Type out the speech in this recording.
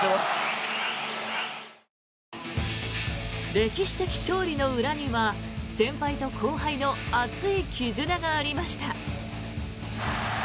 歴史的勝利の裏には先輩と後輩の熱い絆がありました。